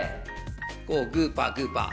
こうグーパーグーパー。